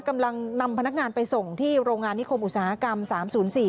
กำลังนำพนักงานไปส่งที่โรงงานนิคมอุตสาหกรรม๓๐๔